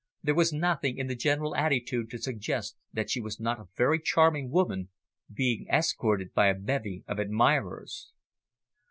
There was nothing in the general attitude to suggest that she was not a very charming woman being escorted by a bevy of admirers.